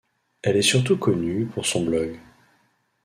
Elle est surtout connue pour son blog.